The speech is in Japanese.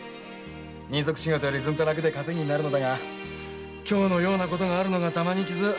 人足仕事より楽で稼ぎになるのだが今日のようなことがあるのが玉に傷。